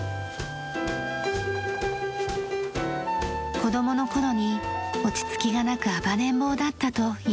子どもの頃に落ち着きがなく暴れん坊だったと言われました。